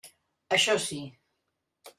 Això sí.